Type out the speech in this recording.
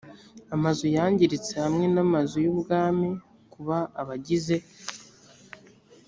amazu yangiritse hamwe n amazu y ubwami kuba abagize